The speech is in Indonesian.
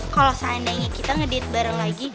kalau seandainya kita ngedit bareng lagi